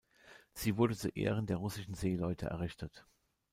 Sie wurde zu Ehren der russischen Seeleute errichtet.